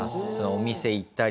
お店行ったりとか？